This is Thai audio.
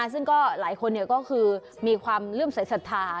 ซึ่งก็หลายคนก็คือมีความเลื่อมสายศรัทธา